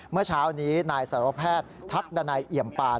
เมื่อเช้านี้นายสารวแพทย์ทักดันัยเอี่ยมปาน